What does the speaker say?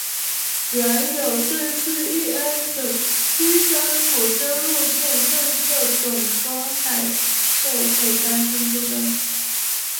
阮有政是乂安省英山府真禄县邓舍总东海社古丹村出生。